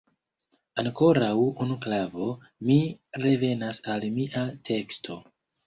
Ankoraŭ unu klavo – mi revenas al mia teksto.